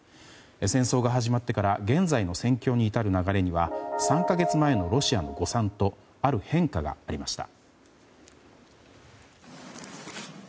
戦争が始まってから現在の戦況に至る流れには３か月前のロシアの誤算とある変化がありました。